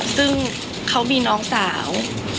ซึ่งเขามีน้องสาว